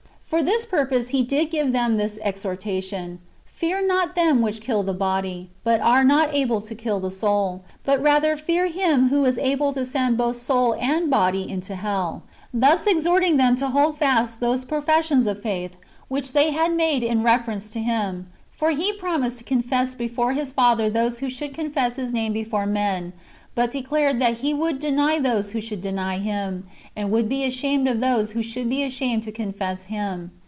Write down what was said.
For this purpose did He give them this exhortation :" Fear not them which kill the body, but are not able to kill the soul ; but rather fear Him who is able to send both soul and body into hell ;"^ [thus exhorting them] to hold fast those professions of faith which they had made in reference to Him. For He promised to confess before His Father those who should confess His name before men ; but declared that He would deny those who should deny Him, and would be ashamed of those who should be ashamed to confess Him.